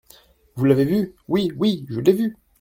Vous l'avez vu !… Oui … oui … je l'ai vu.